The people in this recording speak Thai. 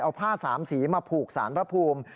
เอาผ้าสามสีมาผูกสารพระภูมิ